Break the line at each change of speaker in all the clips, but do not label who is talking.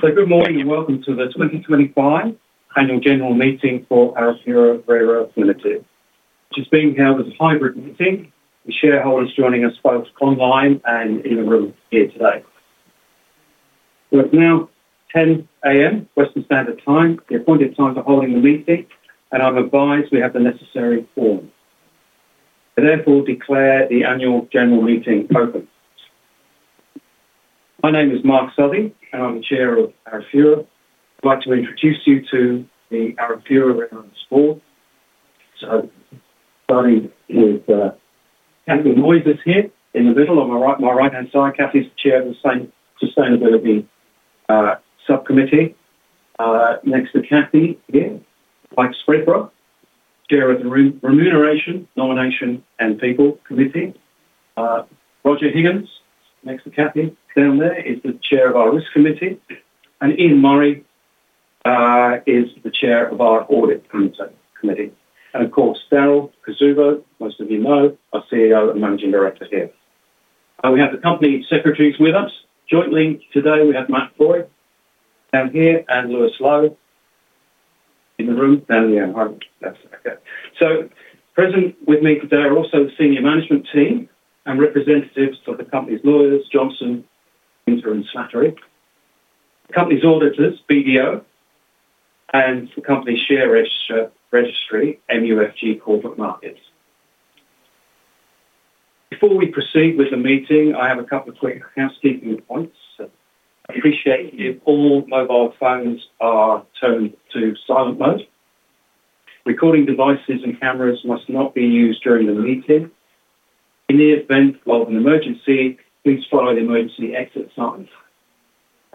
So, good morning everyone. This is the 2025 Annual General Meeting for Arafura Rare Earths Limited just being held as a hybrid meeting. The shareholders joining us both online and in the room here today. We're now 10:00 A.M. Western Standard Time, the appointed time for holding the meeting, and I'm advised we have the necessary form. I therefore declare the Annual General Meeting open. My name is Mark Southey, and I'm the Chair of Arafura. I'd like to introduce you to the Arafura Rare Earths Board. So, on my right is Cathy Moises here, immediate on my right-hand side. Cathy's Chair of the Sustainability Committee. Next to Cathy here, Chris Tonkin, Chair of the Remuneration, Nomination, and People Committee. Roger Higgins, next to Cathy down there, is the Chair of our Risk Committee, and Ian Murray is the Chair of our Audit Committee. And of course, Darryl Cuzzubbo, most of you know, our CEO and Managing Director here. And we have the company secretaries with us. Jointly today, we have Mike Foy down here and Lewis Lowe in the room. So present with me today are also the Senior Management Team and representatives for the company's lawyers, Johnson Winter Slattery, the company's auditors, BDO, and the company's share registry, Link Market Services. Before we proceed with the meeting, I have a couple of quick housekeeping points. Appreciate if all mobile phones are turned to silent mode. Recording devices and cameras must not be used during the meeting. In the event of an emergency, please follow the emergency exit signs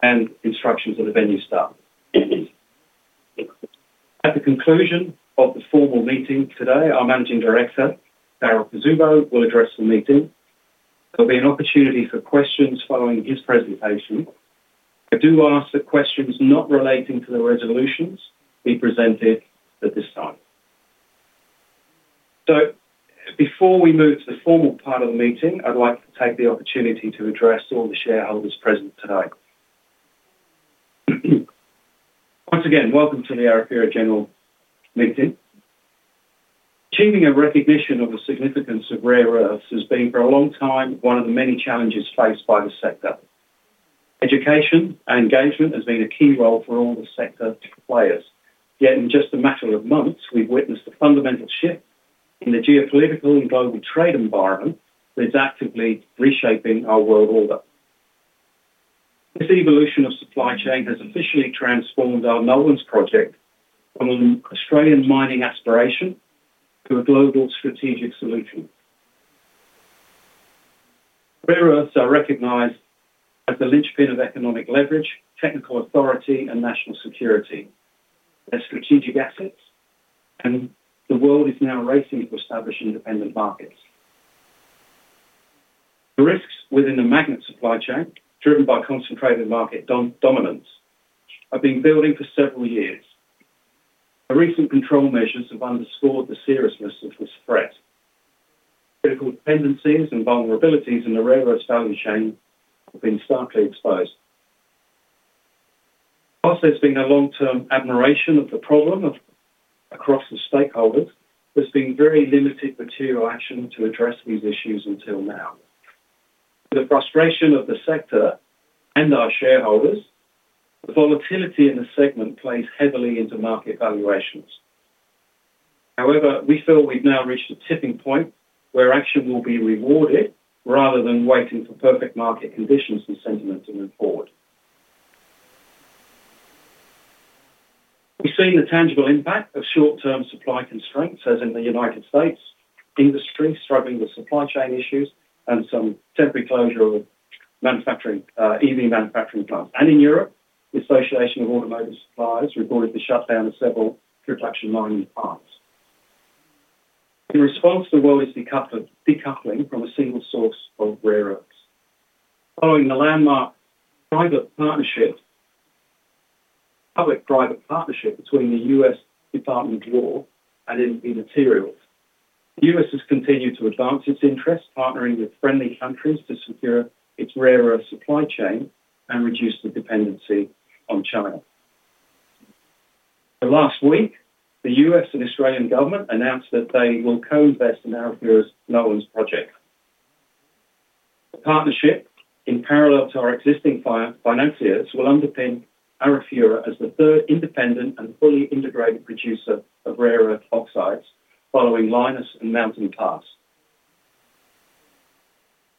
and instructions from the venue staff. At the conclusion of the formal meeting today, our Managing Director, Darryl Cuzzubbo, will address the meeting. There'll be an opportunity for questions following his presentation. I do ask that questions not relating to the resolutions be presented at this time. So before we move to the formal part of the meeting, I'd like to take the opportunity to address all the shareholders present today. Once again, welcome to the Arafura General Meeting. Achieving a recognition of the significance of rare earths has been, for a long time, one of the many challenges faced by the sector. Education and engagement has been a key role for all the sector's players. Yet, in just a matter of months, we've witnessed a fundamental shift in the geopolitical and global trade environment that's actively reshaping our world order. This evolution of supply chain has officially transformed our Nolans Project from an Australian mining aspiration to a global strategic solution. Rare earths are recognized as the linchpin of economic leverage, technical authority, and national security as strategic assets, and the world is now racing to establish independent markets. The risks within the magnet supply chain, driven by concentrated market dominance, have been building for several years. Recently, trade measures have underscored the seriousness of this threat. Political dependencies and vulnerabilities in the rare earths value chain have been starkly exposed. While there's been a long-term awareness of the problem across the stakeholders, there's been very limited material action to address these issues until now. The frustration of the sector and our shareholders, the volatility in the segment plays heavily into market valuations. However, we feel we've now reached a tipping point where action will be rewarded rather than waiting for perfect market conditions and sentiment to move forward. We've seen the tangible impact of short-term supply constraints, as in the United States, industry struggling with supply chain issues and some temporary closure of the manufacturing, EV manufacturing plants, and in Europe, the Association of Automotive Suppliers reported the shutdown of several production mining plants. In response, the world is decoupling from a single source of rare earths. Following the landmark private partnership, public-private partnership between the U.S. Department of Defense and MP Materials, the U.S. has continued to advance its interests, partnering with friendly countries to secure its rare earths supply chain and reduce the dependency on China. Last week, the U.S. and Australian Government announced that they will co-invest in Arafura's Nolans Project. The partnership, in parallel to our existing financiers, will underpin Arafura as the third independent and fully integrated producer of rare earth oxides following Lynas and Mountain Pass.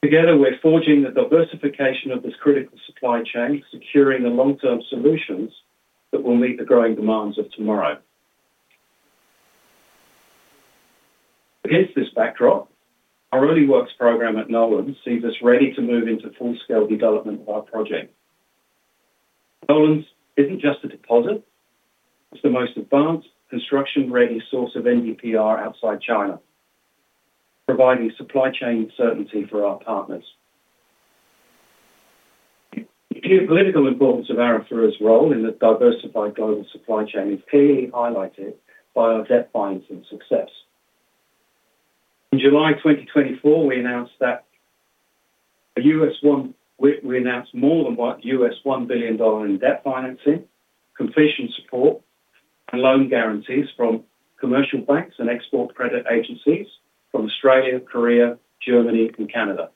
Together, we're forging the diversification of this critical supply chain, securing the long-term solutions that will meet the growing demands of tomorrow. Against this backdrop, our Early Works program at Nolans sees us ready to move into full-scale development of our project. Nolans isn't just a deposit; it's the most advanced construction-ready source of NdPr outside China, providing supply chain certainty for our partners. The political importance of Arafura's role in the diversified global supply chain is clearly highlighted by our debt financing success. In July 2024, we announced more than $1 billion in debt financing, completion support, and loan guarantees from commercial banks and export credit agencies from Australia, Korea, Germany, and Canada.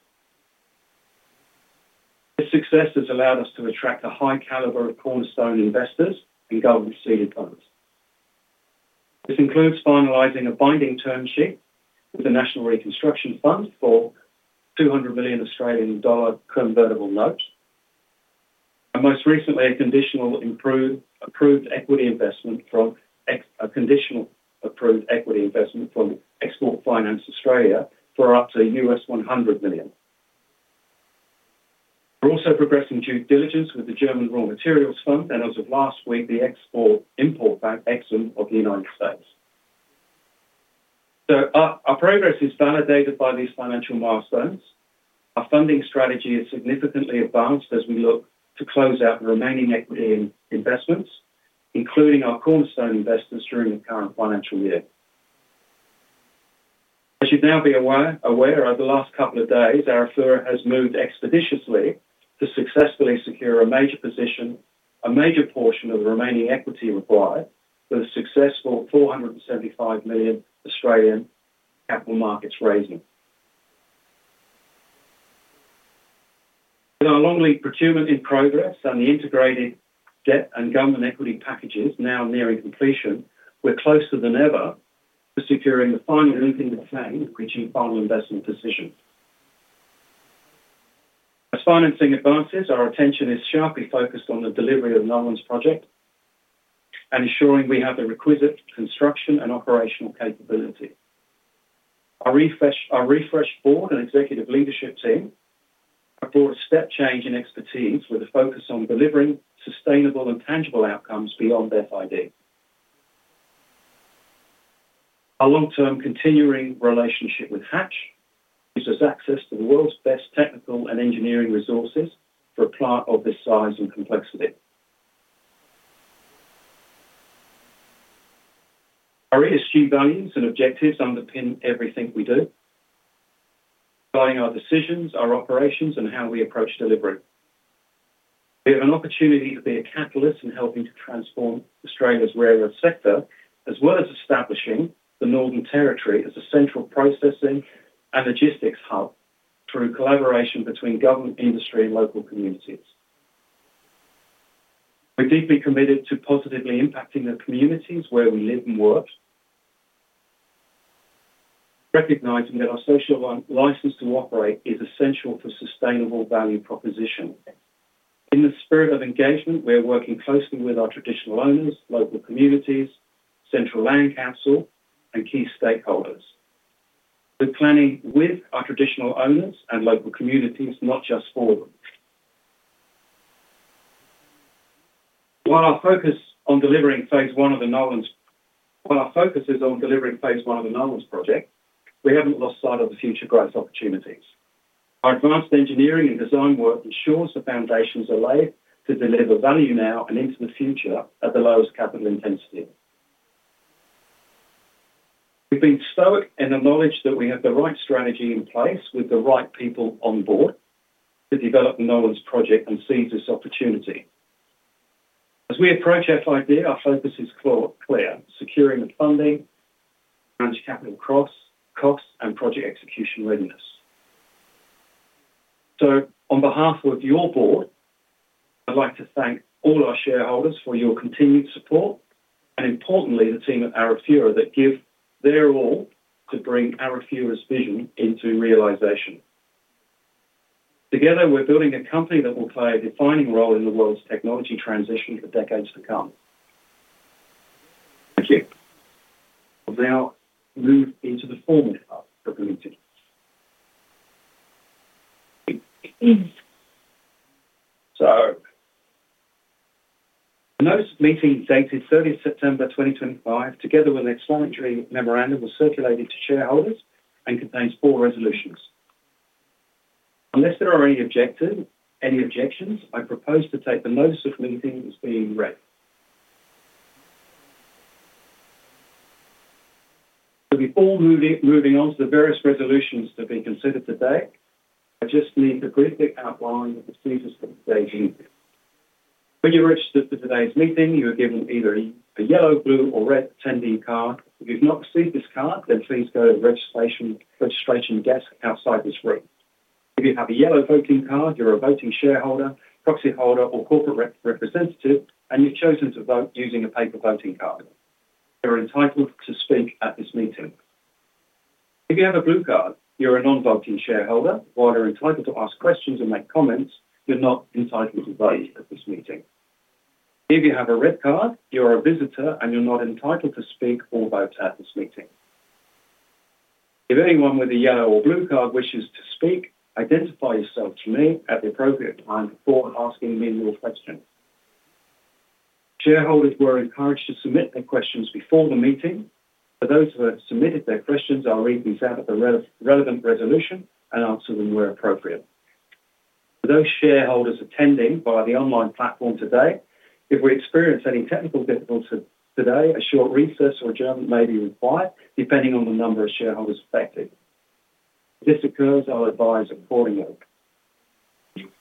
This success has allowed us to attract a high calibre of cornerstone investors and golden seed funds. This includes finalizing a binding term sheet with the National Reconstruction Fund for 200 million Australian dollar convertible notes and, most recently, a conditionally approved equity investment from Export Finance Australia for up to $100 million. We're also progressing due diligence with the German Raw Materials Fund and, as of last week, the Export-Import Bank of the United States. So our progress is validated by these financial milestones. Our funding strategy is significantly advanced as we look to close out the remaining equity investments, including our cornerstone investors during the current financial year. As you'd now be aware of the last couple of days, Arafura has moved expeditiously to successfully secure a major portion of the remaining equity required for the successful 475 million capital markets raising. With our long lead procurement in progress and the integrated debt and government equity packages now nearing completion, we're closer than ever to securing the final funding to reach the Final Investment Decision. As financing advances, our attention is sharply focused on the delivery of Nolans Project and ensuring we have the requisite construction and operational capability. Our refreshed Board and executive leadership team brought a step change in expertise with a focus on delivering sustainable and tangible outcomes beyond that idea. Our long-term continuing relationship with Hatch gives us access to the world's best technical and engineering resources for a plant of this size and complexity. Our ESG values and objectives underpin everything we do, guiding our decisions, our operations, and how we approach delivery. We have an opportunity to be a catalyst in helping to transform Australia's rare earths sector, as well as establishing the Northern Territory as a central processing and logistics hub through collaboration between government, industry, and local communities. We're deeply committed to positively impacting the communities where we live and work, recognizing that our social license to operate is essential for sustainable value proposition. In the spirit of engagement, we're working closely with our traditional owners, local communities, Central Land Council, and key stakeholders, planning with our traditional owners and local communities, not just for them. While our focus is on delivering phase one of the Nolans Project, we haven't lost sight of the future growth opportunities. Our advanced engineering and design work ensures the foundations are laid to deliver value now and into the future at the lowest capital intensity. We've been stoic in the knowledge that we have the right strategy in place with the right people on board to develop Nolans Project and seize this opportunity. As we approach FID, our focus is clear: securing the funding, managed capital costs, and project execution readiness. On behalf of your board, I'd like to thank all our shareholders for your continued support and, importantly, the team at Arafura that give their all to bring Arafura's vision into realization. Together, we're building a company that will play a defining role in the world's technology transition for decades to come. Thank you. Now, move into the formal meeting. The notice of meeting dated 30 September 2025, together with an explanatory memorandum, was circulated to shareholders and contains four resolutions. Unless there are any objections, any objections, I propose to take the notice of meeting as being read. Before moving on to the various resolutions to be considered today, we just need a brief outline of the status of the staging. When you registered for today's meeting, you were given either a yellow, blue, or red attending card. If you've not received this card, then please go to the registration desk outside this room. If you have a yellow voting card, you're a voting shareholder, proxy holder, or corporate representative, and you've chosen to vote using a paper voting card. You're entitled to speak at this meeting. If you have a blue card, you're a non-voting shareholder, while you're entitled to ask questions and make comments. You're not entitled to vote at this meeting. If you have a red card, you're a visitor and you're not entitled to speak or vote at this meeting. If anyone with a yellow or blue card wishes to speak, identify yourself to me at the appropriate time before asking me your question. Shareholders were encouraged to submit their questions before the meeting. For those who have submitted their questions, I'll read these out at the relevant resolution and answer them where appropriate. For those shareholders attending via the online platform today, if we experience any technical difficulties today, a short recess or adjournment may be required, depending on the number of shareholders affected. If this occurs, I'll advise accordingly. For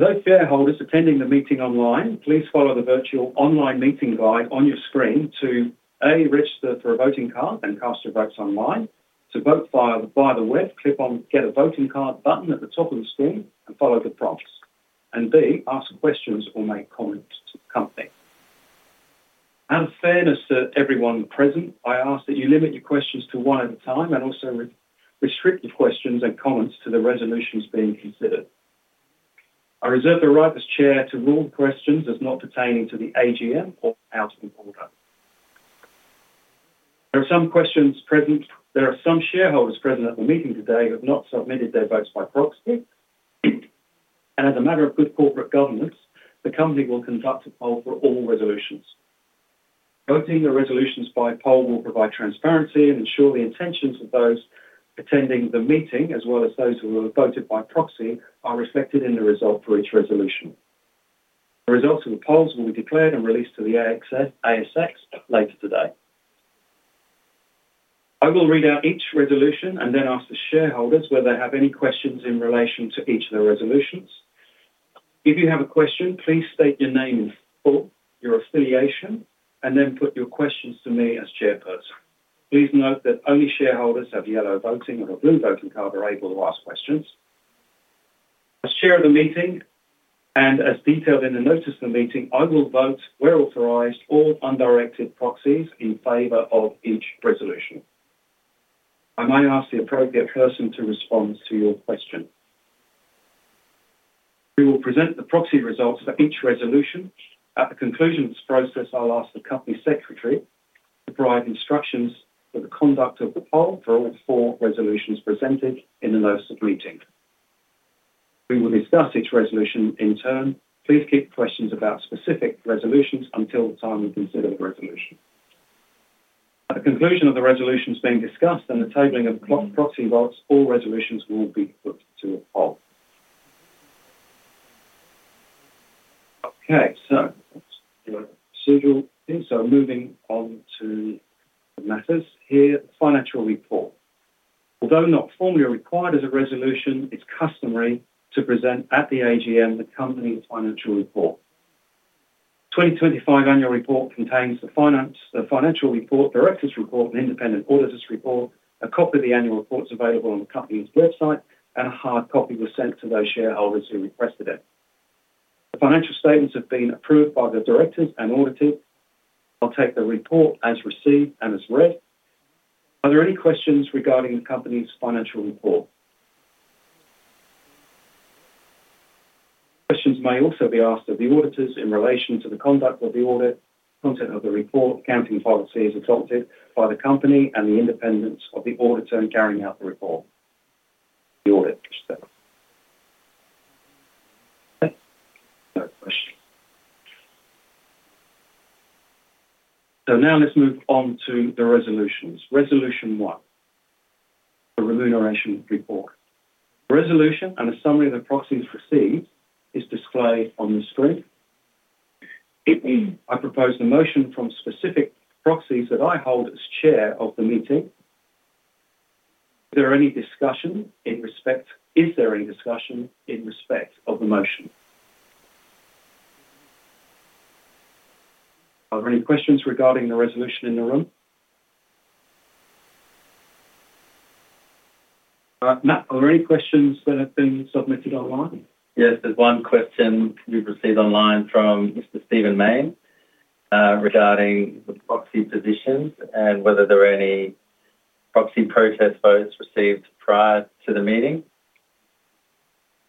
those shareholders attending the meeting online, please follow the virtual online meeting guide on your screen to A, register for a voting card and cast your votes online, to vote via the web, click on the Get a voting card button at the top of the screen and follow the prompts, and B, ask questions or make comments. Out of fairness to everyone present, I ask that you limit your questions to one at a time and also restrict your questions and comments to the resolutions being considered. I reserve the right as chair to rule questions as not pertaining to the AGM or out of order. There are some persons present. There are some shareholders present at the meeting today who have not submitted their votes by proxy. And as a matter of good corporate governance, the company will conduct all resolutions. Voting the resolutions by poll will provide transparency and ensure the intentions of those attending the meeting, as well as those who will have voted by proxy, are reflected in the result for each resolution. The results of the polls will be declared and released to the ASX later today. I will read out each resolution and then ask the shareholders whether they have any questions in relation to each of the resolutions. If you have a question, please state your name and your affiliation and then put your questions to me as chairperson. Please note that only shareholders who have a yellow voting card or a blue voting card are able to ask questions. As chair of the meeting and as detailed in the notice of the meeting, I will vote the authorized or undirected proxies in favor of each resolution. I might ask the appropriate person to respond to your question. We will present the proxy results for each resolution. At the conclusion of this process, I'll ask the company secretary to provide instructions for the conduct of the poll for all four resolutions presented in the notice of meeting. We will discuss each resolution in turn. Please keep questions about specific resolutions until the time we consider the resolution. At the conclusion of the resolutions being discussed and the tabling of the proxy votes, all resolutions will be put to a poll. Okay, so the procedure, so moving on to the matters here, the financial report. Although not formally required as a resolution, it's customary to present at the AGM the company's financial report. The 2025 annual report contains the finance, the financial report, director's report, and independent auditor's report. A copy of the annual reports available on the company's website, and a hard copy was sent to those shareholders who requested it. Financial statements have been approved by the directors and auditors. I'll take the report as received and as read. Are there any questions regarding the company's financial report? Questions may also be asked of the auditors in relation to the conduct of the audit, content of the report, accounting policies adopted by the company, and the independence of the auditor in carrying out the report. So now let's move on to the resolutions. Resolution one, the remuneration report. Resolution and a summary of the proxies received is displayed on the screen. I propose the motion from specific proxies that I hold as chair of the meeting. Is there any discussion in respect? Is there any discussion in respect of the motion? Are there any questions regarding the resolution in the room? Are there any questions that have been submitted online?
Yeah, there's one question you've received online from Mr. Stephen Mayne regarding the proxy positions and whether there are any proxy votes received prior to the meeting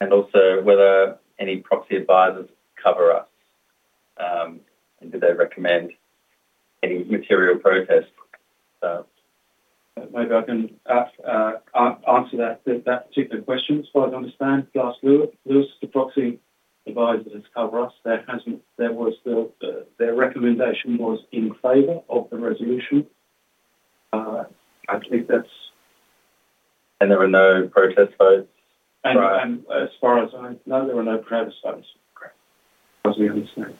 and also whether any proxy advisors have covered it and do they recommend any material votes.
So maybe I can answer that particular question. As I understand. Last week, Glass Lewis is the proxy advisor that has covered it. That was still their recommendation was in favor of the resolution.
I think that's. And there were no protest votes. And as far as I know, there were no protest votes. I was going to say,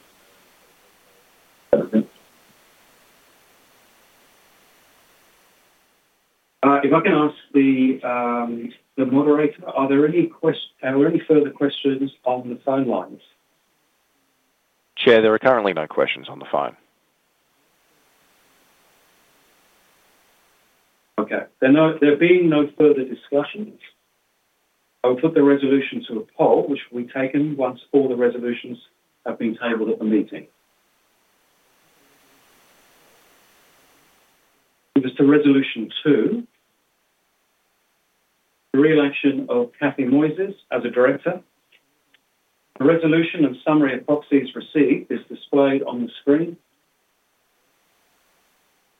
if I can ask the moderator, are there any questions? Are there any further questions on the timelines?
Chair, there are currently no questions on the phone.
Okay. There have been no further discussions. I will put the resolution to a poll, which will be taken once all the resolutions have been tabled at the meeting. It was the resolution two, the re-election of Cathy Moises as a director. The resolution and summary of proxies received is displayed on the screen.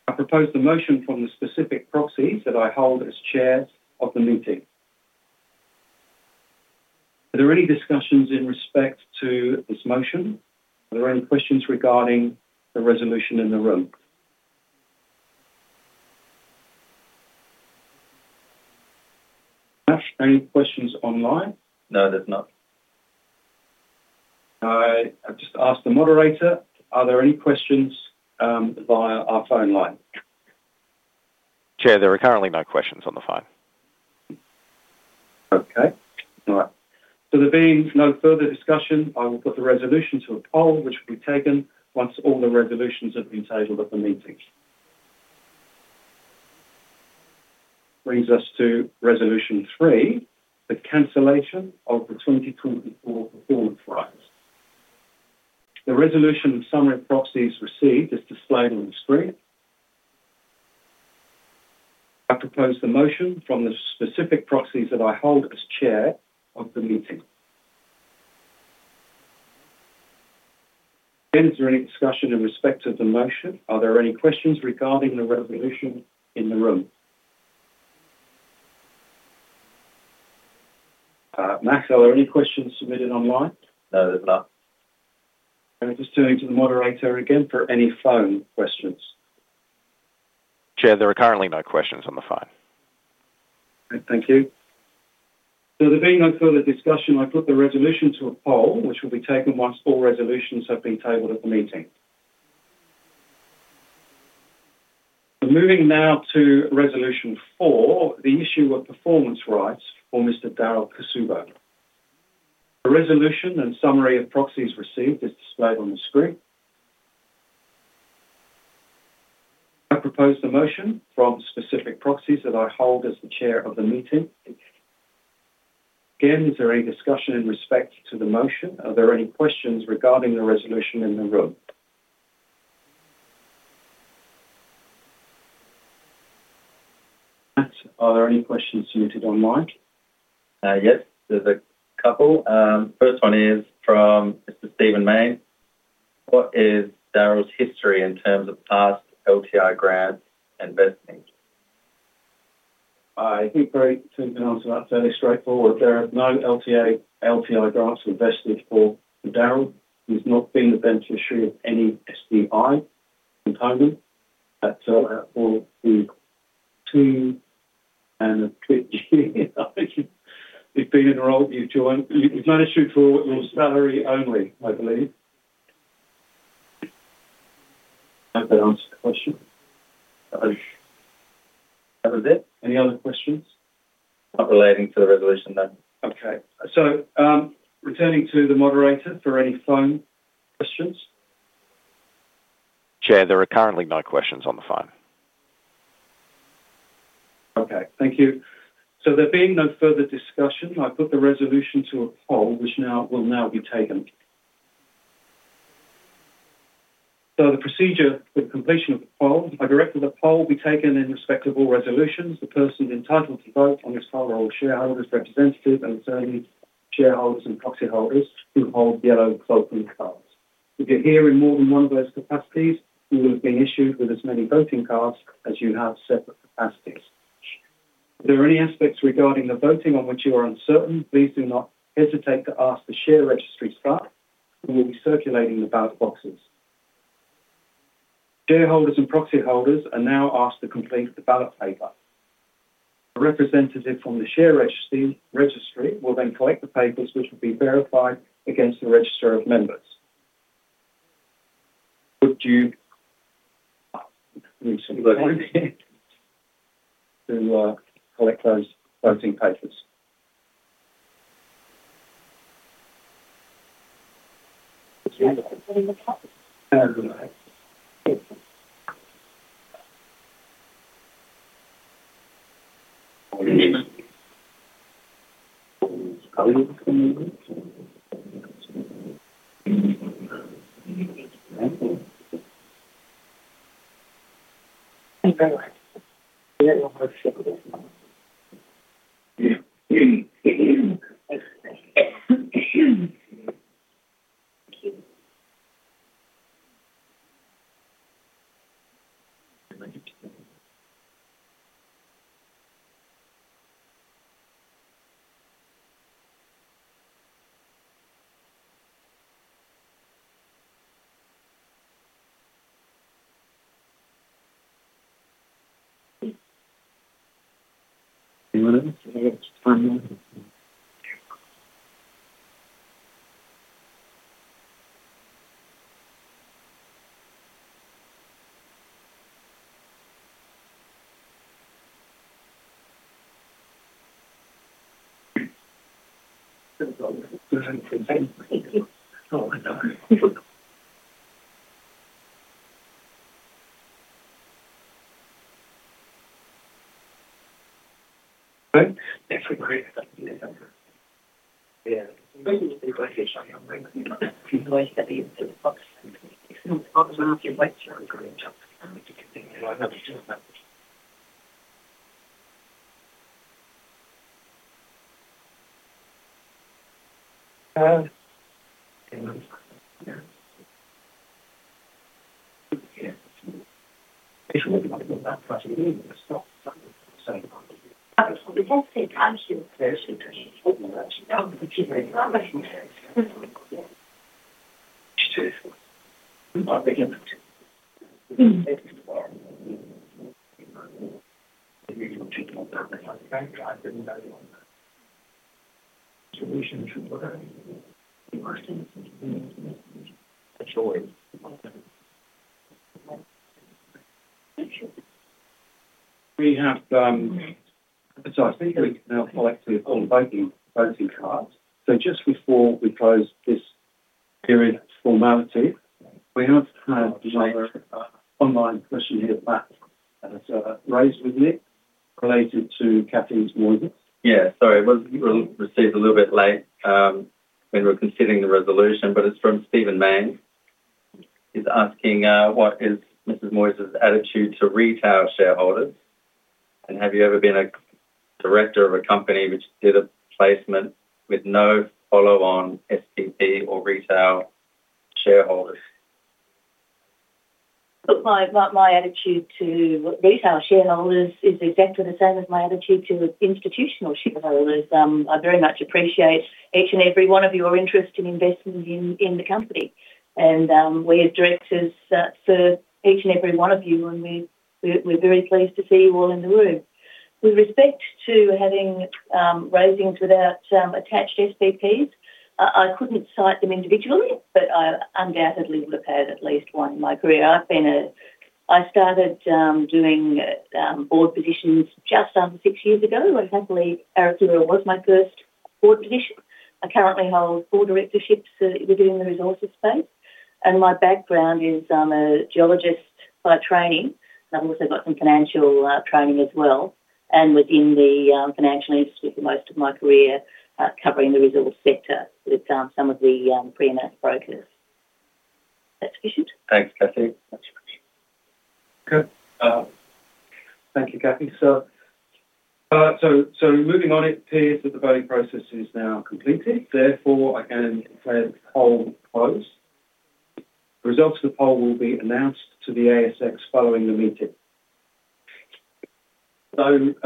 I propose the motion from the specific proxies that I hold as Chair of the meeting. Are there any discussions in respect to this motion? Are there any questions regarding the resolution in the room? Any questions online?
No, there's none.
I just asked the moderator, are there any questions via our phone line?
Chair, there are currently no questions on the phone.
Okay. All right. So there being no further discussion, I will put the resolution to a poll, which will be taken once all the resolutions have been tabled at the meeting. Brings us to resolution three, the cancellation of the 2024 performance rights. The resolution summary of proxies received is displayed on the screen. I propose the motion from the specific proxies that I hold as chair of the meeting. Is there any discussion in respect of the motion? Are there any questions regarding the resolution in the room? Max, are there any questions submitted online?
No, there's none.
I'll just turn to the moderator again for any phone questions.
Chair, there are currently no questions on the phone.
Thank you. So there being no further discussion, I put the resolution to a poll, which will be taken once all resolutions have been tabled at the meeting. Moving now to resolution four, the issue of performance rights for Mr. Darryl Cuzzubbo. The resolution and summary of proxies received is displayed on the screen. I propose the motion from specific proxies that I hold as the chair of the meeting. Again, is there any discussion in respect to the motion? Are there any questions regarding the resolution in the room? Are there any questions muted online?
Yes, there's a couple. First one is from Mr. Stephen Mayne. What is Darryl's history in terms of past LTI grant and vesting?
I think they seem to answer that fairly straightforward. There are no LTI grants vested for Darryl. He's not been the beneficiary of any STI component. That's all out for the two and a bit years. He's been enrolled. He's not issued for salary only, I believe.
That answers the question. That was it. Any other questions? Not relating to the resolution then.
Okay. So returning to the moderator for any phone questions.
Chair, there are currently no questions on the phone.
Okay. Thank you. So there being no further discussion, I put the resolution to a poll, which now will be taken. So the procedure for the completion of the polls, I direct that the poll be taken in respect of all resolutions. The person entitled to vote on this poll will be shareholders representative and certain shareholders and proxy holders who hold yellow voting cards. If you're here in more than one of those capacities, you will be issued with as many voting cards as you have separate capacities. If there are any aspects regarding the voting on which you are uncertain, please do not hesitate to ask the share registry staff. We will be circulating the ballot boxes. Shareholders and proxy holders are now asked to complete the ballot paper. A representative from the share registry will then collect the papers, which will be verified against the register of members.
Would you collect those voting papers?
We have emphasized that we can now collect the appointed voting cards. So just before we close this hearing formality, we have time to take an online question here at the back. And it's raised with you related to Cathy's warning.
Yeah, sorry. We received a little bit late when we were considering the resolution, but it's from Stephen Mayne. He's asking what is Ms. Moises' attitude to retail shareholders? And have you ever been a director of a company which did a placement with no follow-on SPP or retail shareholders?
My attitude to retail shareholders is exactly the same as my attitude to institutional shareholders. I very much appreciate each and every one of your interest in investing in the company. And we, as directors, that's for each and every one of you. We're very pleased to see you all in the room. With respect to having raisings without attached SPPs, I couldn't cite them individually, but I undoubtedly would have had at least one. My career, I've been a... I started doing board positions just six years ago, and thankfully Arafura was my first board position. I currently hold board directorships in the resources space. And my background is a geologist by training. I've also got some financial training as well. And within the financial industry, for most of my career, covering the resource sector with some of the freelance brokers.
Thanks, Cathy.
Good. Thank you, Cathy. So moving on in proxies, the voting process is now completed. Therefore, I can say the poll closed. The results of the poll will be announced to the ASX following the meeting. So, ladies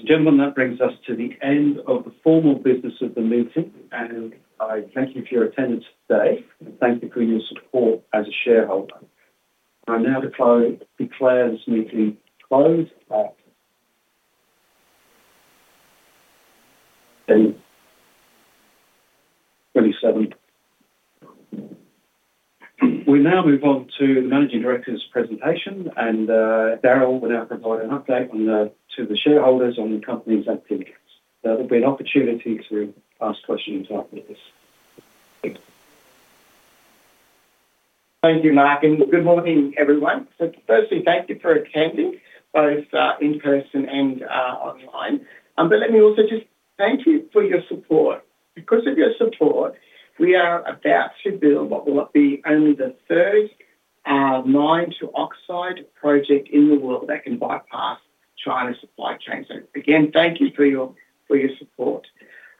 and gentlemen, that brings us to the end of the formal business of the meeting. And I thank you for your attendance today. And thank you for your support as a shareholder. I now declare this meeting closed. 27. We now move on to the Managing Director's presentation. And Darryl will now provide an update to the shareholders on the company's activities. There'll be an opportunity to ask questions after this.
Thank you, Mark. Good morning, everyone. Firstly, thank you for attending, both in person and online. But let me also just thank you for your support. Because of your support, we are about to build what will be only the third NdPr oxide project in the world that can bypass China's supply chains. Again, thank you for your support.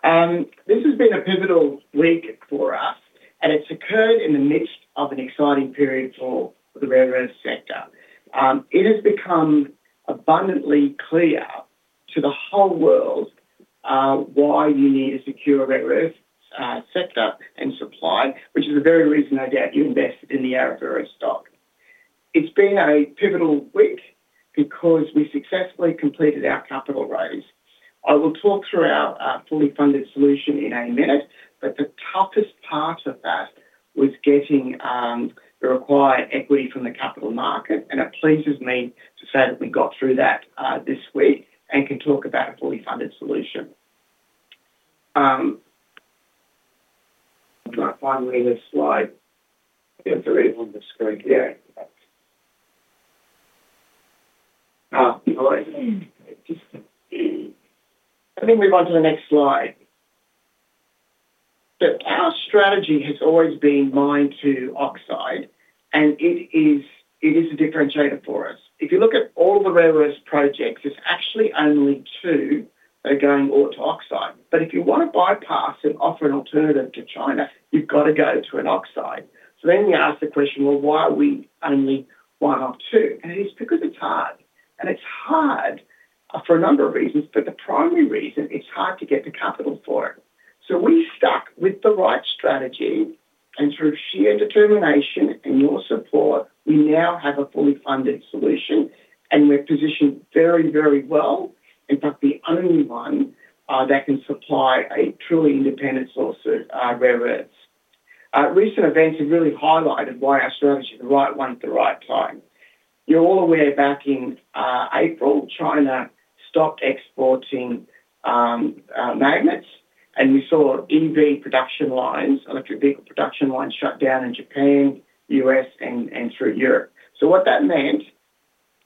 This has been a pivotal week for us, and it's occurred in the midst of an exciting period for the rare earth sector. It has become abundantly clear to the whole world why you need a secure rare earth sector and supply, which is the very reason why you invested in the Arafura stock. It's been a pivotal week because we successfully completed our capital raise. I will talk through our fully funded solution in a minute, but the toughest part of that was getting the required equity from the capital market, and it pleases me to say that we got through that this week and can talk about a fully funded solution. Finally, next slide. Sorry, on the screen here. Sorry. I think we've gone to the next slide. So our strategy has always been mine-to-oxide, and it is a differentiator for us. If you look at all the rare earth projects, it's actually only two that are going all to oxide, but if you want to bypass and offer an alternative to China, you've got to go to an oxide, so then you ask the question, well, why are we only one or two, and it is because it's hard, and it's hard for a number of reasons, but the primary reason is it's hard to get the capital for it, so we stuck with the right strategy and through sheer determination and your support, we now have a fully funded solution, and we're positioned very, very well, in fact, the only one that can supply a truly independent source of rare earths. Recent events have really highlighted why our strategy is the right one at the right time. You're all aware back in April, China stopped exporting magnets, and you saw in-line production lines, electric vehicle production lines shut down in Japan, the U.S., and through Europe. So what that meant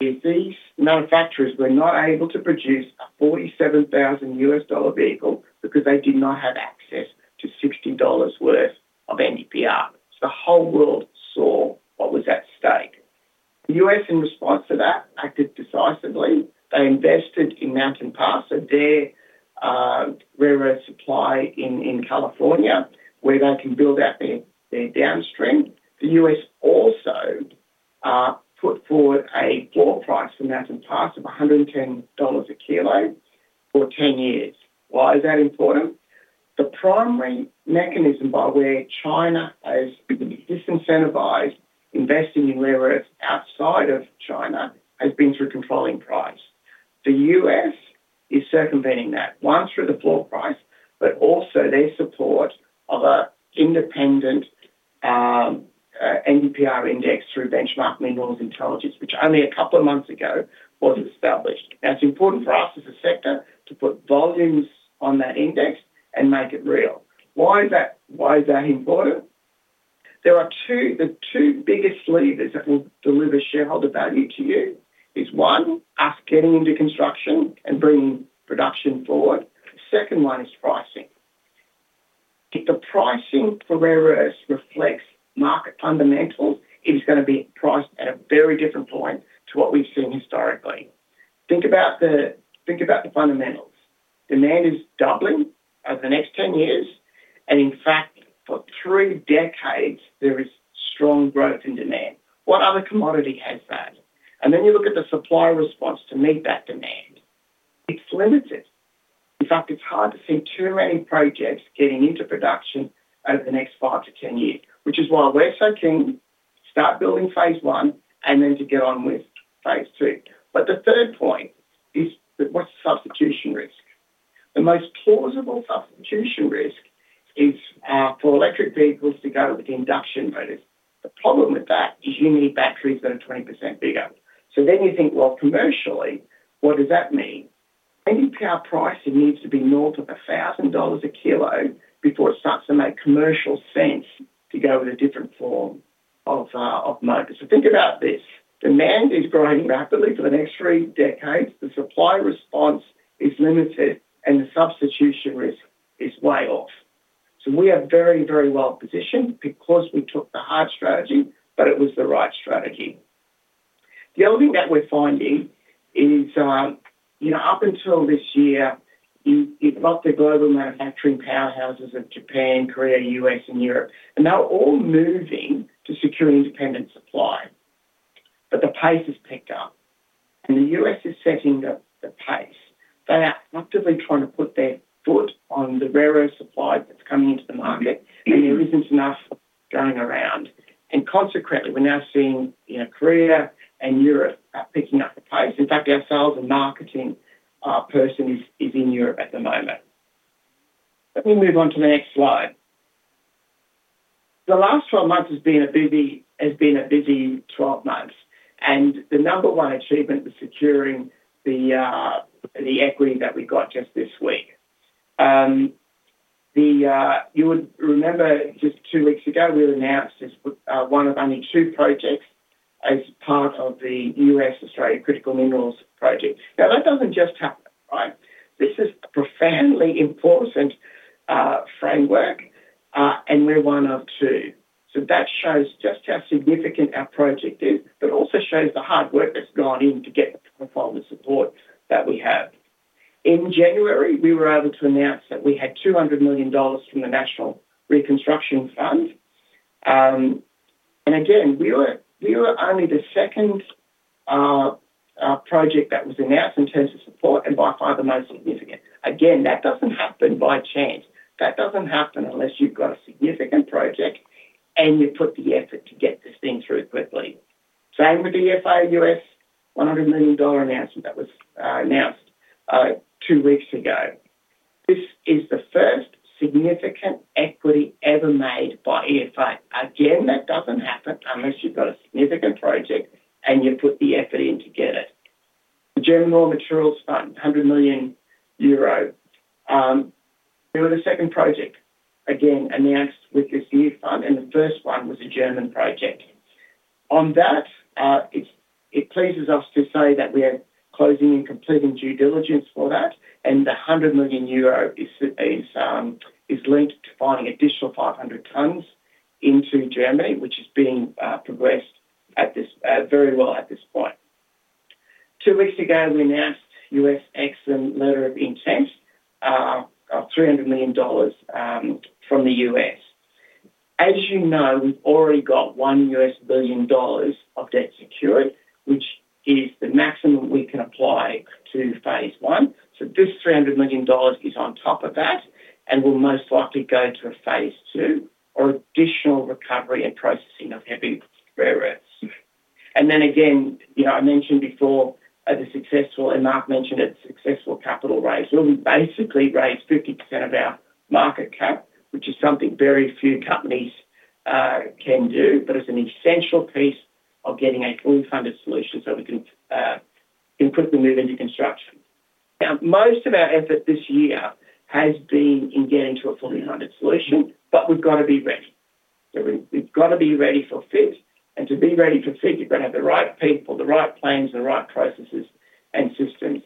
is these manufacturers were not able to produce a $47,000 vehicle because they did not have access to $60 worth of NdPr. So the whole world saw what was at stake. The U.S., in response to that, acted decisively. They invested in Mountain Pass, a rare earths supply in California, where they can build out their downstream. The U.S. also put forward a floor price for Mountain Pass of $110 a kilo for 10 years. Why is that important? The primary mechanism by which China is disincentivized investing in rare earths outside of China has been through controlling price. The U.S. is circumventing that, one through the floor price, but also their support of an independent NdPr index through Benchmark Mineral Intelligence, which only a couple of months ago was established. That's important for us as a sector to put volumes on that index and make it real. Why is that important? There are two biggest levers that will deliver shareholder value to you. It's one, us getting into construction and bringing production forward. The second one is pricing. If the pricing for rare earths reflects market fundamentals, it is going to be priced at a very different point to what we've seen historically. Think about the fundamentals. Demand is doubling over the next 10 years. And in fact, for three decades, there is strong growth in demand. What other commodity has that? And then you look at the supply response to meet that demand. It's limited. In fact, it's hard to see too many projects getting into production over the next five to 10 years, which is why we're so keen to start building phase one and then to get on with phase two. But the third point is, what's the substitution risk? The most plausible substitution risk is for electric vehicles to go to the induction motors. The problem with that is you need batteries that are 20% bigger. So then you think, well, commercially, what does that mean? NdPr pricing needs to be north of $1,000 a kilo before it starts to make commercial sense to go with a different form of motors. So think about this. Demand is growing rapidly for the next three decades. The supply response is limited, and the substitution risk is way off. So we are very, very well positioned because we took the hard strategy, but it was the right strategy. The other thing that we're finding is, up until this year, you've got the global manufacturing powerhouses of Japan, Korea, U.S., and Europe, and they're all moving to secure independent supply. But the pace has picked up. And the U.S. is setting the pace. They are actively trying to put their foot on the rare earth supply that's coming into the market, and there isn't enough going around. And consequently, we're now seeing Korea and Europe are picking up the pace. In fact, our sales and marketing person is in Europe at the moment. Let me move on to the next slide. The last 12 months has been a busy 12 months. And the number one achievement was securing the equity that we got just this week. You would remember just two weeks ago, we announced one of only two projects as part of the U.S.-Australia Critical Minerals Project. Now, that doesn't just happen, right? This is a profoundly important framework, and we're one of two. So that shows just how significant our project is, but also shows the hard work that's gone into getting to provide the support that we have. In January, we were able to announce that we had 200 million dollars from the National Reconstruction Fund. And again, we were only the second project that was announced in terms of support and by far the most significant. Again, that doesn't happen by chance. That doesn't happen unless you've got a significant project and you put the effort to get this thing through quickly. Same with the EFA US, 100 million dollar announcement that was announced two weeks ago. This is the first significant equity ever made by EFA. Again, that doesn't happen unless you've got a significant project and you put the effort in to get it. The German Raw Materials Fund, 100 million euro. There was a second project, again, announced with this year's fund, and the first one was a German project. On that, it pleases us to say that we're closing and completing due diligence for that. And the 100 million euro is linked to finding additional 500 tons into Germany, which is being progressed very well at this point. Two weeks ago, we announced U.S. EXIM letter of interest, $300 million from the US. As you know, we've already got $1 billion of debt secured, which is the maximum we can apply to phase one. This $300 million is on top of that and will most likely go into a phase two or additional recovery and processing of heavy rare earths. And then again, I mentioned before the successful, and Mark mentioned it, successful capital raise. We basically raised 50% of our market cap, which is something very few companies can do, but it is an essential piece of getting a fully funded solution so we can quickly move into construction. Now, most of our effort this year has been in getting to a fully funded solution, but we have got to be ready. We have got to be ready for FID. And to be ready for FID, you have got to have the right people, the right plans, and the right processes and systems.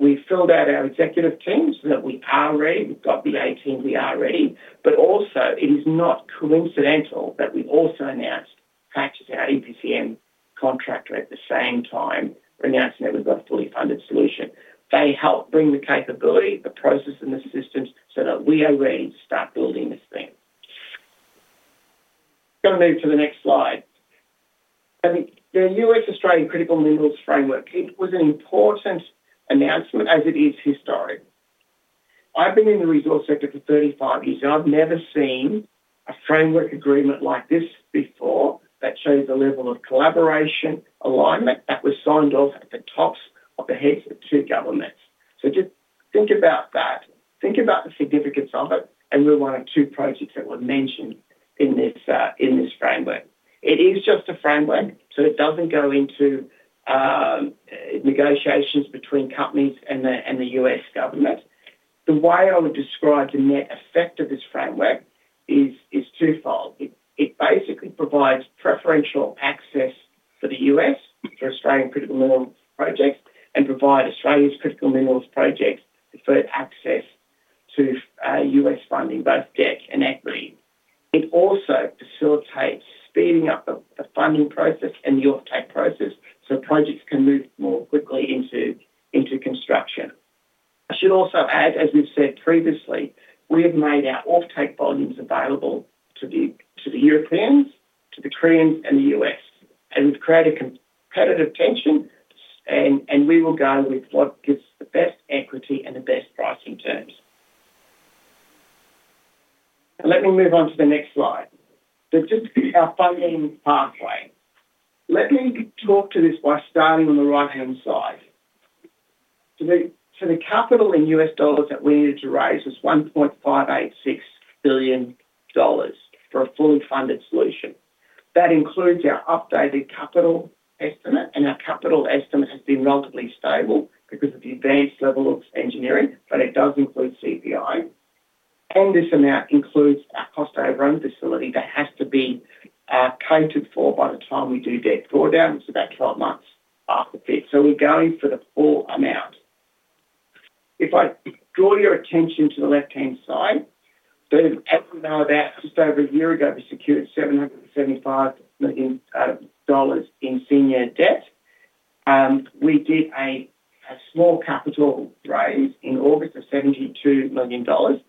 We filled out our executive team that we are ready. We've got the FID, but also it is not coincidental that we also announced our EPCM contractor at the same time, announcing that we've got a fully funded solution. They helped bring the capability, the process, and the systems so that we are ready to start building this thing. I'm going to move to the next slide. The U.S.-Australia Critical Minerals Framework was an important announcement as it is historic. I've been in the resource sector for 35 years. I've never seen a framework agreement like this before that showed the level of collaboration, alignment that was signed off at the tops of the heads of two governments. So just think about that. Think about the significance of it. We're one of two projects that were mentioned in this framework. It is just a framework, so it doesn't go into negotiations between companies and the U.S. government. The way I would describe the net effect of this framework is twofold. It basically provides preferential access for the U.S., for Australian critical minerals projects, and provides Australia's critical minerals projects preferred access to U.S. funding, both debt and equity. It also facilitates speeding up the funding process and the offtake process so projects can move more quickly into construction. I should also add, as we've said previously, we have made our offtake volumes available to the Europeans, to the Koreans, and the U.S., and we've created competitive tension, and we will go with what gives the best equity and the best pricing terms. Now, let me move on to the next slide, so just our funding pathway. Let me talk to this by starting on the right-hand side, so the capital in US dollars that we need to raise is $1.586 billion for a fully funded solution. That includes our updated capital estimate, and our capital estimate has been relatively stable because of the advanced level of engineering, but it does include CPI, and this amount includes our cost overrun facility that has to be paid in full by the time we do debt drawdown. It's about 12 months after FID, so we're going for the full amount. If I draw your attention to the left-hand side, just over a year ago, we secured 775 million dollars in senior debt. We did a small capital raise in August of 72 million dollars.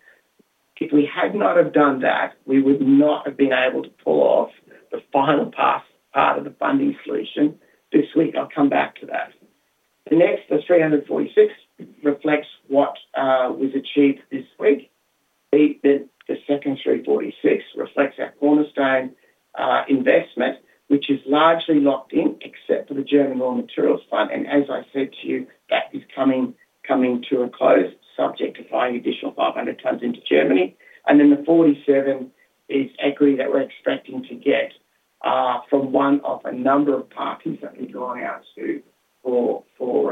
If we had not have done that, we would not have been able to pull off the final part of the funding solution. This week, I'll come back to that. The next, the 346, reflects what was achieved this week. The second 346 reflects our cornerstone investment, which is largely locked in except for the German Raw Materials Fund, and as I said to you, that is coming to a close subject to finding additional 500 tons into Germany, and then the 47 is equity that we're expecting to get from one of a number of parties that we've gone out to for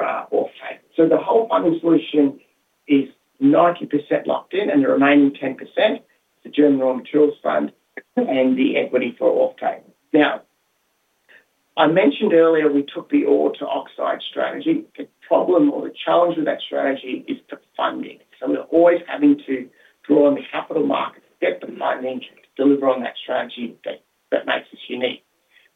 offtake, so the whole funding solution is 90% locked in, and the remaining 10%, the German Raw Materials Fund and the equity for offtake. Now, I mentioned earlier we took the ore to oxide strategy. The problem or the challenge with that strategy is the funding. So we're always having to draw on the capital market to get the funding to deliver on that strategy that makes us unique.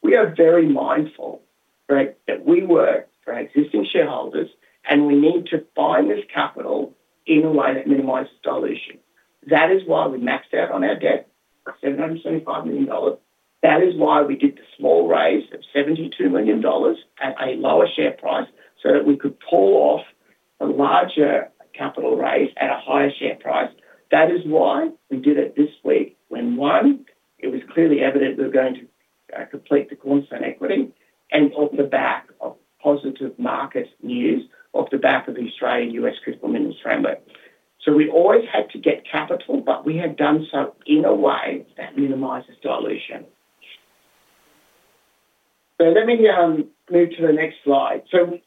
We are very mindful that we're here for existing shareholders, and we need to raise this capital in a way that minimizes dilution. That is why we maxed out on our debt, 775 million dollars. That is why we did the small raise of 72 million dollars at a lower share price so that we could pull off a larger capital raise at a higher share price. That is why we did it this week when, one, it was clearly evident we were going to complete the government equity and off the back of positive market news, off the back of the Australia-U.S. Critical Minerals Framework. So we always had to get capital, but we have done so in a way that minimizes dilution. So let me move to the next slide. So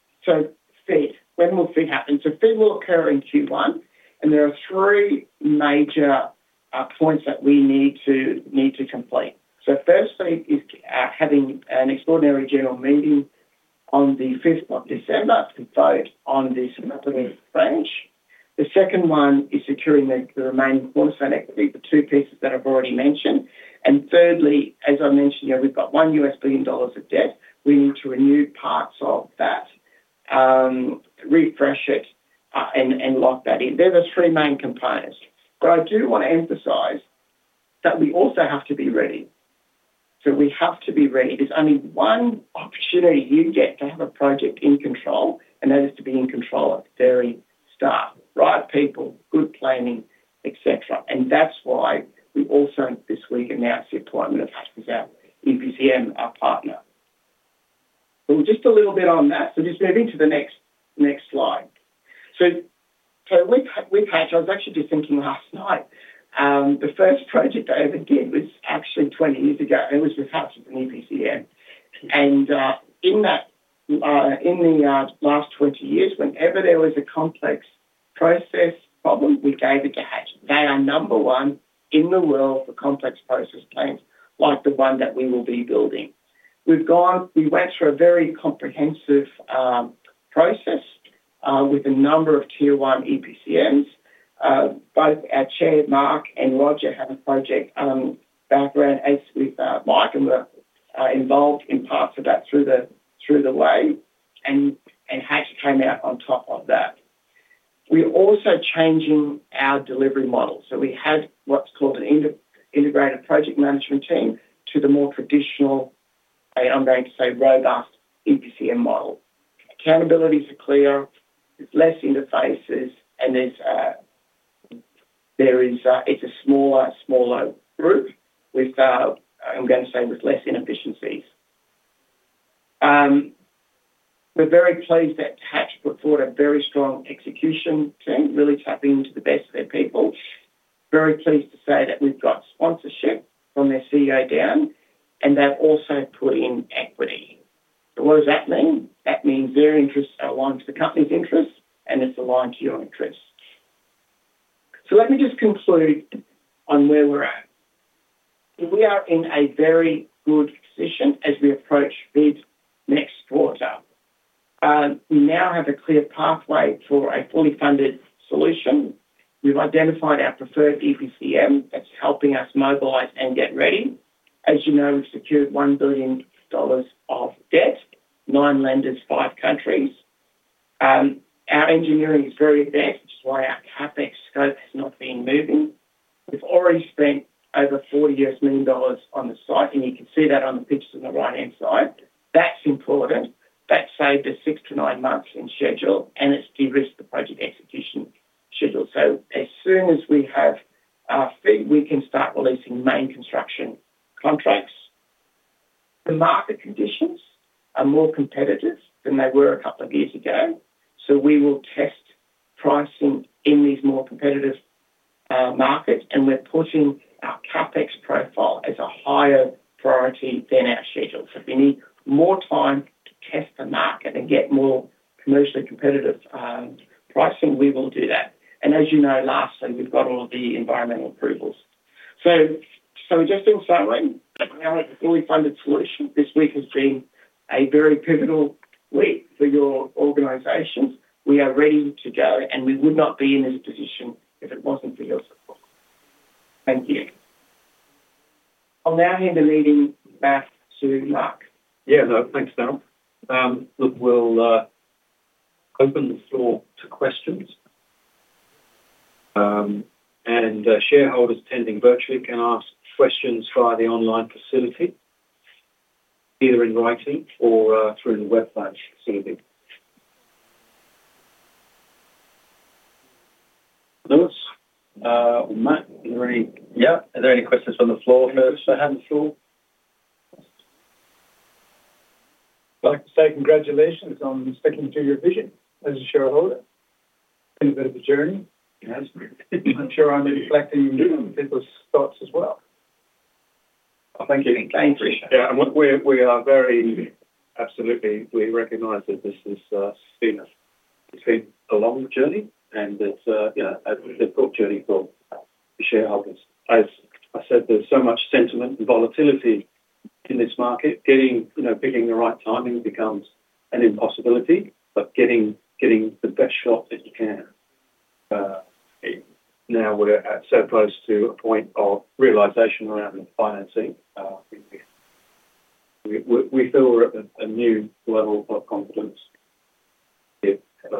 when will FID happen? FID will occur in Q1, and there are three major points that we need to complete. First thing is having an extraordinary general meeting on the 5th of December to vote on this money tranche. The second one is securing the remaining quantum of equity, the two pieces that I've already mentioned. And thirdly, as I mentioned, we've got $1 billion of debt. We need to renew parts of that, refresh it, and lock that in. They're the three main components. But I do want to emphasize that we also have to be ready. So we have to be ready. There's only one opportunity you get to have a project in control, and that is to be in control of the very start. Right people, good planning, etc. And that's why we also this week announced the appointment of Hatch, EPCM, our partner. So just a little bit on that. So just moving to the next slide. So we've had, I was actually just thinking last night, the first project I ever did was actually 20 years ago. It was with Hatch and EPCM. And in the last 20 years, whenever there was a complex process problem, we gave it to Hatch. They are number one in the world for complex process plants, like the one that we will be building. We went through a very comprehensive process with a number of tier one EPCMs. Both our Chair, Mark, and Roger have a project background as Mark involved in parts of that throughout, and Hatch came out on top of that. We're also changing our delivery model. So we have what's called an integrated project management team to the more traditional, I'm going to say, robust EPCM model. Accountability is clear. There's less interfaces, and it's a smaller group, I'm going to say, with less inefficiencies. We're very pleased that Hatch put forward a very strong execution team, really tapping into the best of their people. Very pleased to say that we've got sponsorship from their CEO down, and they've also put in equity. So what does that mean? That means their interests align to the company's interests, and it's aligned to your interests. So let me just conclude on where we're at. We are in a very good position as we approach mid next quarter. We now have a clear pathway for a fully funded solution. We've identified our preferred EPCM that's helping us mobilise and get ready. As you know, we've secured $1 billion of debt, nine lenders, five countries. Our engineering is very advanced, which is why our CapEx scope has not been moving. We've already spent over 40 million dollars on the site, and you can see that on the pictures on the right-hand side. That's important. That saved us six to nine months in schedule, and it's de-risked the project execution schedule. So as soon as we have our FID, we can start releasing main construction contracts. The market conditions are more competitive than they were a couple of years ago. So we will test pricing in these more competitive markets, and we're pushing our CapEx profile as a higher priority than our schedule. So if we need more time to test the market and get more commercially competitive pricing, we will do that. And as you know, lastly, we've got all the environmental approvals. So just in summary, our fully funded solution this week has been a very pivotal week for your organizations. We are ready to go, and we would not be in this position if it wasn't for your support. Thank you. I'll now hand the meeting back to Mark.
Yeah, thanks, Daf. We'll open the floor to questions, and shareholders attending virtually can ask questions via the online facility, either in writing or through the webpage for CMD. Lewis or Matt, is there any questions on the floor for Arafura?
I'd like to say congratulations on executing your vision as a shareholder. You've had a good journey. I'm sure it's reflecting in people's thoughts as well. Thank you.
Thank you.
Yeah, we are very. Absolutely. We recognize that this has been a long journey and that it's a tough journey for shareholders. As I said, there's so much sentiment and volatility in this market. Picking the right time, it becomes an impossibility, but getting the best shot that you can. Now we're so close to a point of realization around financing. We feel we're at a new level of confidence.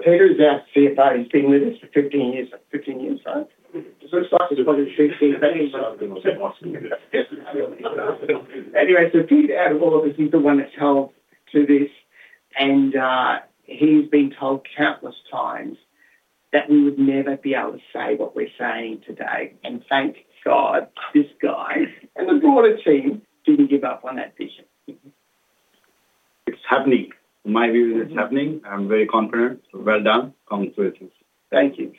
Peter is our CFO; he's been with us for 15 years. 15 years, right? He's got a CFO who's been with us for 15 years. Anyway, so Peter out of all of us is the one that's held to this, and he's been told countless times that we would never be able to say what we're saying today. And thank God this guy and the broader team didn't give up on that vision.
It's happening. Maybe it isn't happening. I'm very confident. Well done. Congratulations.
Thank you.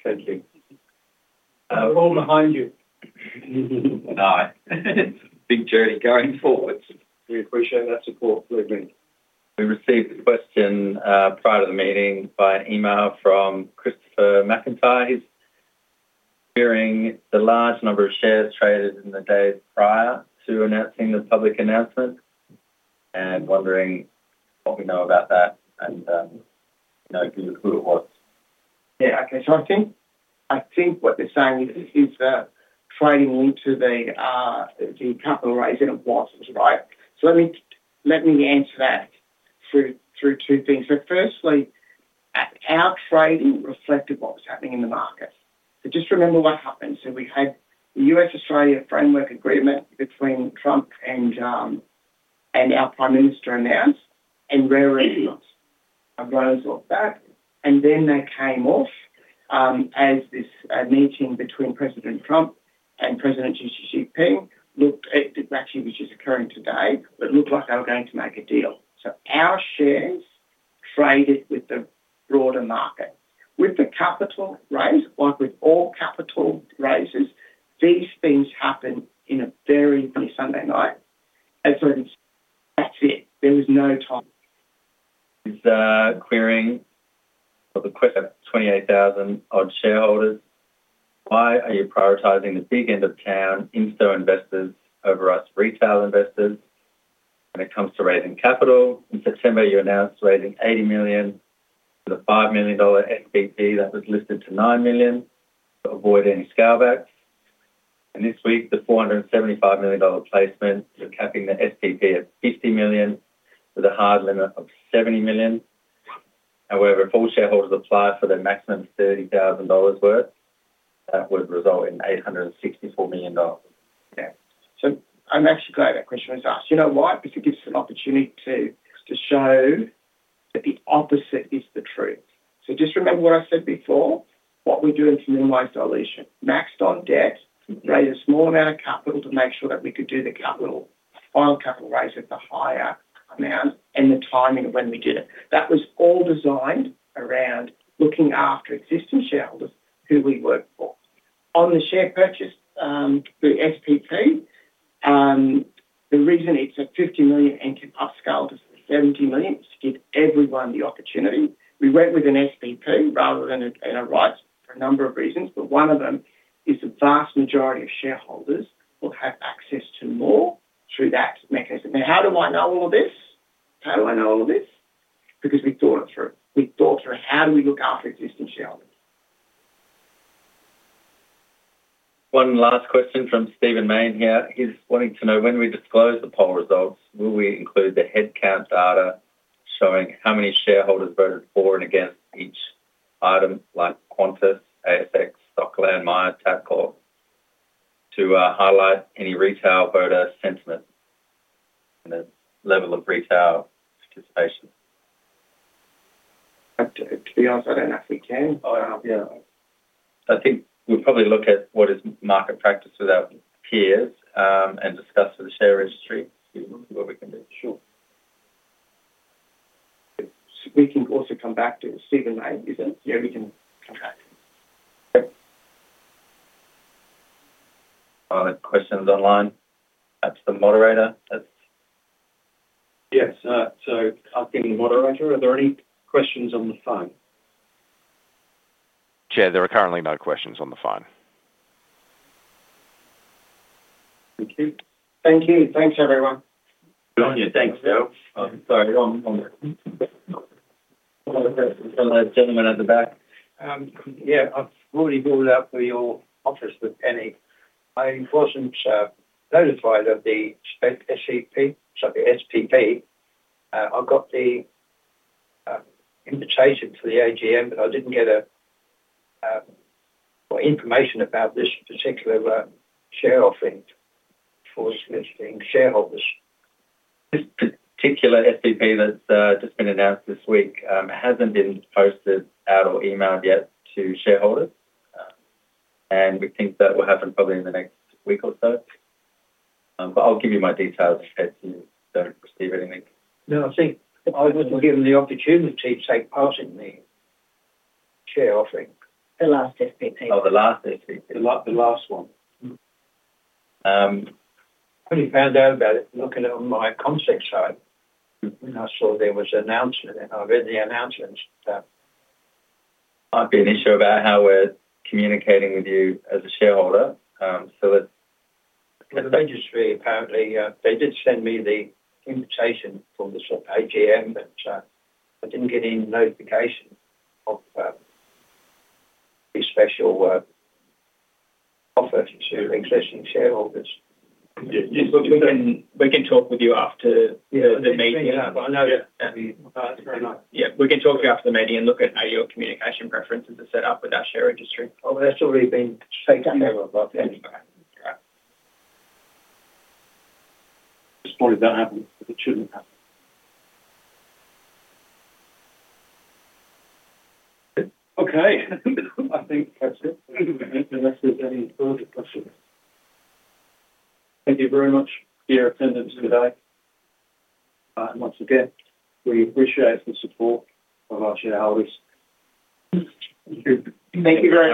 All behind you.
Big journey going forward. You appreciate that support, Lewis. We received a question prior to the meeting via email from Christopher McIntyre. He's hearing the large number of shares traded in the day prior to announcing the public announcement and wondering what we know about that and give it a look at what. Yeah, okay, sorry. I think what they're saying is about trading into the capital raise and it wasn't right. So let me answer that through two things. So firstly, our trading reflected what was happening in the market. Just remember what happened. So we had the U.S.-Australia framework agreement between Trump and our Prime Minister announced, and rare earths prices rose on that. And then they came off as this meeting between President Trump and President Xi Jinping looked likely, which is occurring today, but it looked like they were going to make a deal. So our shares traded with the broader market. With the capital raise, like with all capital raises, these things happen in a very busy Sunday night. That's it.
There was no time to clear it with the 28,000-odd shareholders. Why are you prioritizing the big end of town, institutional investors over us retail investors when it comes to raising capital? In September, you announced raising 80 million for the 5 million dollar SPP that was lifted to 9 million to avoid any scalebacks. And this week, the 475 million dollar placement, you're capping the SPP at 50 million with a hard limit of 70 million. However, if all shareholders applied for the maximum 30,000 dollars worth, that would result in 864 million dollars.
So I'm actually glad that question was asked. You know why? Because it gives us an opportunity to show that the opposite is the truth. So just remember what I said before, what we're doing to minimize dilution. Maxed out on debt, raised more amount of capital to make sure that we could do the capital. Final capital raise at the higher amount and the timing of when we did it. That was all designed around looking after existing shareholders who we worked for. On the share purchase for the SPP, originally it's at 50 million and could upsize to 70 million to give everyone the opportunity. We went with an SPP rather than a rights issue for a number of reasons, but one of them is the vast majority of shareholders will have access to more through that mechanism. Now, how do I know all of this? How do I know all of this? Because we thought it through. We thought through how do we look after existing shareholders.
One last question from Stephen Mayne here is wanting to know when we disclose the poll results, will we include the headcount data showing how many shareholders voted for and against each item like Qantas, ASX, Stockland, Myer Tacor to highlight any retail voter sentiment and the level of retail participation? To be honest, I don't know if we can. I think we'll probably look at what is market practice with our peers and discuss with the share registry where we can do it. Sure.
We can also come back to Stephen Mayne's question.
Yeah, we can.
Okay. Questions online? The moderator?
Yes. So I'll give you the moderator. Are there any questions on the phone?
Chair, there are currently no questions on the phone.
Thank you. Thank you. Thanks, everyone.
John, you're back. Sorry, John. I'm getting some of those gentlemen at the back. Yeah, I've already spoken to your office, with Annie. I wasn't notified of the SPP. I've got the invitation to the AGM, but I didn't get information about this particular share offering for significant shareholders.
This particular SPP that's just been announced this week, it hasn't been posted out or emailed yet to shareholders. And we think that will happen probably in the next week or so. But I'll give you my details in case you don't receive anything. No, I think I wasn't given the opportunity to take part in the share offering. The last SPP. Oh, the last SPP. The last one. When I found out about it, looking on the company site, I saw there was an announcement. I read the announcement. Might be an issue about how we're communicating with you as a shareholder. So the registry apparently, they did send me the invitation from the AGM, but I didn't get any notification of the special offer to existing shareholders. We can talk with you after the meeting. I know that. That's very nice. Yeah, we can talk to you after the meeting and look at how your communication preferences are set up with our share registry. Oh, that's already been taken care of. At this point, it shouldn't happen.
Okay. I think that's it. Unless there's any further questions. Thank you very much, Chair for the duration of the meeting today. And once again, we appreciate the support of our shareholders.
Thank you very much.